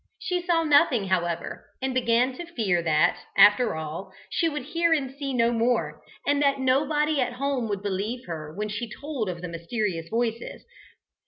She saw nothing, however, and began to fear that, after all, she would hear and see no more, and that nobody at home would believe her when she told of the mysterious voices.